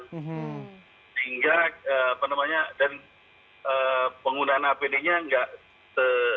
sehingga apa namanya dan penggunaan apd nya nggak se